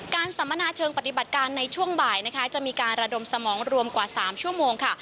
สัมมนาเชิงปฏิบัติการในช่วงบ่ายนะคะจะมีการระดมสมองรวมกว่า๓ชั่วโมงค่ะ